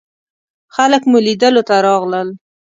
خلک مو لیدلو ته راغلل.